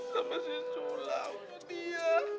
sama si sula untuk dia